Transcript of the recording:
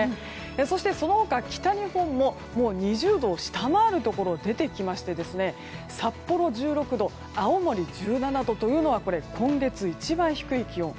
そして、その他、北日本も２０度を下回るところも出てきまして札幌１６度青森１７度というのはこれは今月一番低い気温。